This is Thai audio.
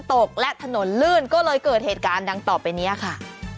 ตกและถนนลื่นก็เลยเกิดเหตุการณ์ดังต่อไปนี้ค่ะ